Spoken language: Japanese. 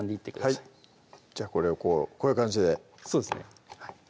はいじゃあこれをこうこういう感じでそうですね